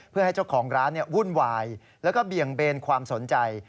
เพื่อให้เจ้าของร้านวุ่นวายแล้วก็เบี่ยงเบนความสนใจ